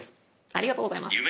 ありがとうございます。